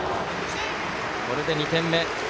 これで２点目。